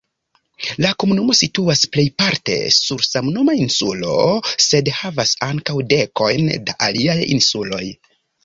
La komunumo situas plejparte sur samnoma insulo, sed havas ankaŭ dekojn da aliaj insuloj.